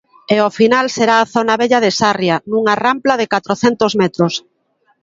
E o final será a zona vella de Sarria, nunha rampla de catrocentos metros.